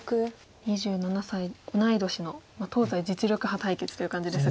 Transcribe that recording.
２７歳同い年の東西実力派対決という感じですが。